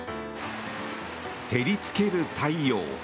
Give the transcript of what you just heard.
照りつける太陽。